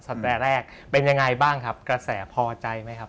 แตรแรกเป็นยังไงบ้างครับกระแสพอใจไหมครับ